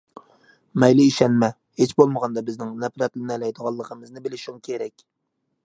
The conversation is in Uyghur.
مەيلى ئىشەنمە، ھېچبولمىغاندا بىزنىڭ نەپرەتلىنەلەيدىغىنىمىزنى بىلىشىڭ كېرەك.